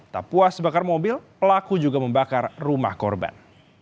tak puas bakar mobil pelaku juga membakar rumah korban